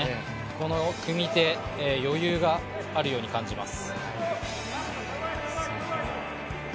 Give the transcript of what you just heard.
この組み手、余裕があるように感じます。